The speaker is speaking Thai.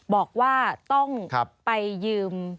บอกว่าต้องไปยืม